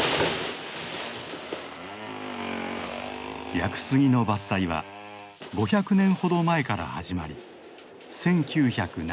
屋久杉の伐採は５００年ほど前から始まり１９７０年まで続いた。